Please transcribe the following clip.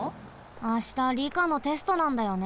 あしたりかのテストなんだよね。